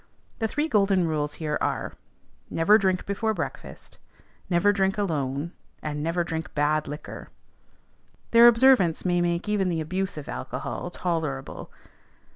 The three golden rules here are, Never drink before breakfast; never drink alone; and never drink bad liquor. Their observance may make even the abuse of alcohol tolerable.